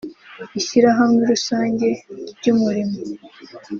Ishyirahamwe rusange ry’umurimo